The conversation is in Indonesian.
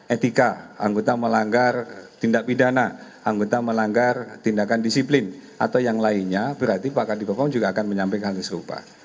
etika anggota melanggar tindak pidana anggota melanggar tindakan disiplin atau yang lainnya berarti pak kadikom juga akan menyampaikan hal serupa